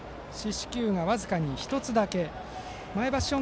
四死球が僅かに１つだけ。